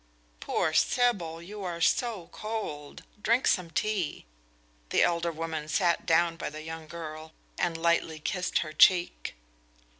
"Poor Sybil, you are so cold. Drink some tea." The elder woman sat down by the young girl, and lightly kissed her cheek.